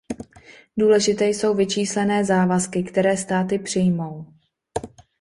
Důležité jsou vyčíslené závazky, které státy přijmou.